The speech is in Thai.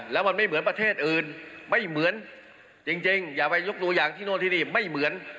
แต่ว่าไม่มีทหารอยู่นะครับ